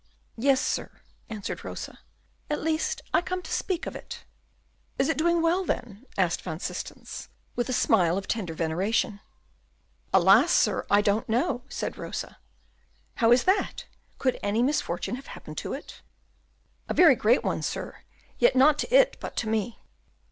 "Yes, sir," answered Rosa; "I come at least to speak of it." "Is it doing well, then?" asked Van Systens, with a smile of tender veneration. "Alas! sir, I don't know," said Rosa. "How is that? could any misfortune have happened to it?" "A very great one, sir; yet not to it, but to me."